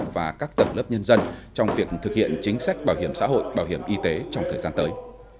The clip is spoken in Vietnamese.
và các tầng lớp nhân dân trong việc thực hiện chính sách bảo hiểm xã hội bảo hiểm y tế trong thời gian tới